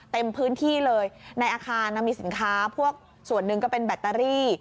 เต็มพื้นที่เลยในอาคารมีสินค้าพวกส่วนหนึ่งก็เป็นแบตเตอรี่